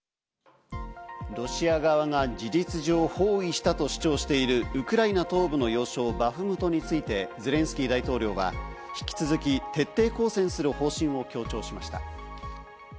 ロシア側が事実上、包囲したと主張しているウクライナ東部の要衝バフムトについて、ゼレンスキー大統領は引き続き徹底抗戦する方針を強調しました。